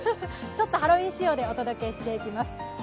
ちょっとハロウィーン仕様でお届けしていきます。